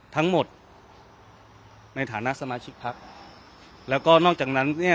ทั้งหมดในฐานะสมาชิกพักแล้วก็นอกจากนั้นเนี่ย